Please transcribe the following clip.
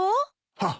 はっ。